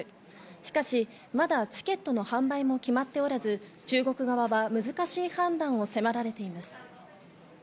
しかし、まだチケットの販売も決まっておらず、中国側は難しい判断を迫られています。